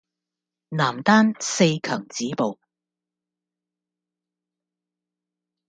男單四強止步